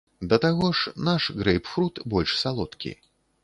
Да таго ж, наш грэйпфрут больш салодкі.